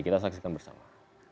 kita saksikan bersama